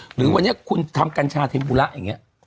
หรือวันนี้คุณทำกัญชาเทมปุระอย่างนี้